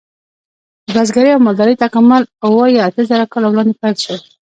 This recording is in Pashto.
د بزګرۍ او مالدارۍ تکامل اوه یا اته زره کاله وړاندې پیل شو.